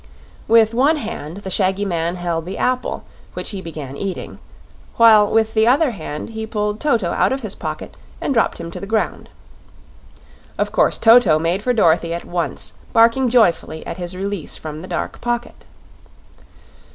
With one hand the shaggy man held the apple, which he began eating, while with the other hand he pulled Toto out of his pocket and dropped him to the ground. Of course Toto made for Dorothy at once, barking joyfully at his release from the dark pocket.